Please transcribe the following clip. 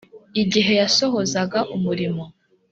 igihe yasohozaga umurimo